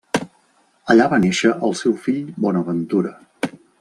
Allà va néixer el seu fill Bonaventura.